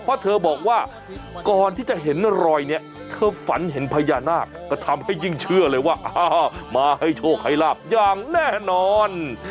เพราะเธอบอกว่าก่อนที่จะเห็นรอยเนี่ยเธอฝันเห็นพญานาคก็ทำให้ยิ่งเชื่อเลยว่ามาให้โชคให้ลาบอย่างแน่นอน